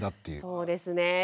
そうですね。